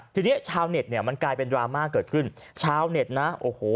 ทีนี้ชาวเน็ตเนี่ยมันกลายเป็นดราม่าเกิดขึ้นชาวเน็ตนะโอ้โห